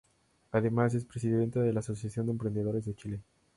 Además, es Presidenta de la Asociación de Emprendedores de Chile.